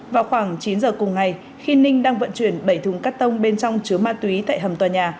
vào khoảng chín giờ cùng ngày khi ninh đang vận chuyển bảy thùng cắt tông bên trong chứa ma túy tại hầm tòa nhà